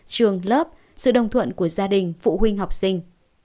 trường lớp sự đồng thuận của gia đình phụ huynh học sinh